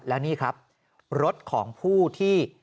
และนี่ครับรถของผู้ที่